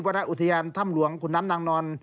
ณอุทยานถ้ำหลวงขุนน้ำนางนอน